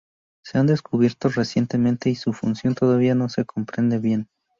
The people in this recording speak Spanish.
Se han descubierto recientemente y su función todavía no se comprende bien.